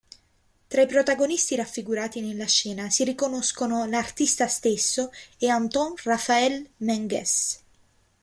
Tra i protagonisti raffigurati nella scena si riconoscono l'artista stesso e Anton Raphael Mengs.